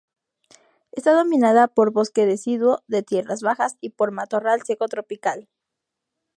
Está dominada por bosque deciduo de tierras bajas y por matorral seco tropical.